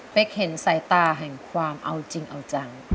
เห็นสายตาแห่งความเอาจริงเอาจัง